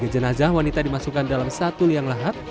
tiga jenazah wanita dimasukkan dalam satu liang lahat